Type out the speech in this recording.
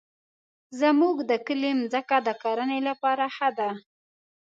زمونږ د کلي مځکه د کرنې لپاره ښه ده.